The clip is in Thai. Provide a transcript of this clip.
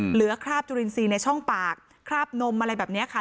คราบจุลินทรีย์ในช่องปากคราบนมอะไรแบบนี้ค่ะ